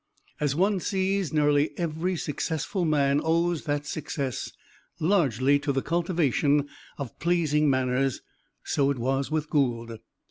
As one sees, nearly every successful man owes that success largely to the cultivation of pleasing manners, so it was with Gould.